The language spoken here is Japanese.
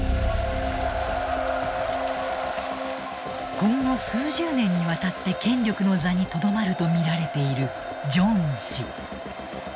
今後数十年にわたって権力の座にとどまると見られているジョンウン氏。